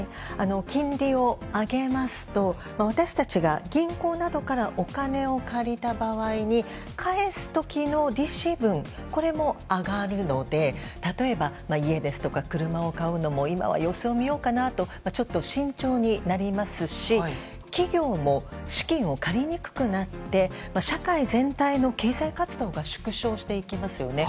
金利を上げますと私たちが銀行などからお金を借りた場合に返す時の利子分これも上がるので例えば、家ですとか車を買うのを今は様子を見ようかなとちょっと慎重になりますし企業も資金を借りにくくなって社会全体がの経済活動が縮小していきますよね。